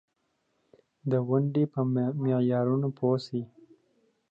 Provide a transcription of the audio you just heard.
بوټونه د پښو محافظ دي.